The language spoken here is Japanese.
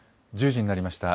１０時になりました。